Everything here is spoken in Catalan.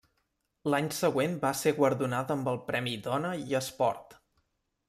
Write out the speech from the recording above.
L'any següent va ser guardonada amb el Premi Dona i Esport.